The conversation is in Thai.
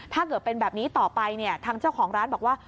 ถ้าเกิดเป็นแบบนี้ต่อไปเนี่ยทางเจ้าของร้านบอกว่า